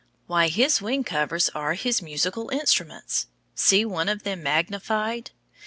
Why, his wing covers are his musical instruments. See one of them magnified.